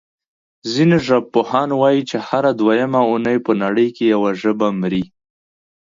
ځینې ژبپوهان وايي چې هره دویمه اوونۍ په نړۍ کې یوه ژبه مري.